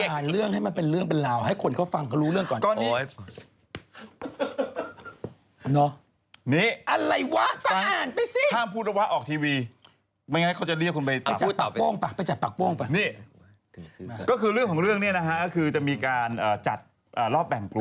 อ่านเรื่องให้มันเป็นเรื่องเป็นราวให้คนเขาฟังเขารู้เรื่องก่อน